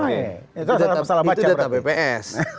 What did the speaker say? itu data bps